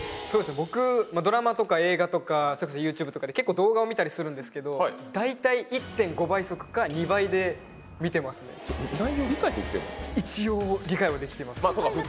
僕ドラマとか映画とかそれこそＹｏｕＴｕｂｅとかで結構動画を見たりするんですけど大体一応理解はできてますそうですね